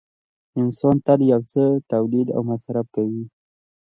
انسان تل یو څه تولید او مصرف کوي